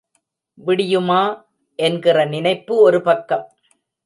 விடியுமா? என்கிற நினைப்பு ஒரு பக்கம்.